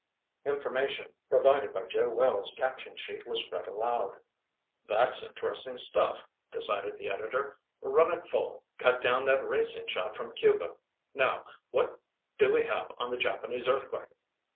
Information provided by Joe Wells' caption sheet was read aloud. "That's interesting stuff," decided the editor. "Run it full. Cut down that racing shot from Cuba. Now what do we have on the Japanese earthquake?"